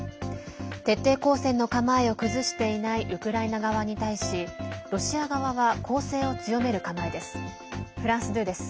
徹底抗戦の構えを崩していないウクライナ側に対しロシア側は攻勢を強める構えです。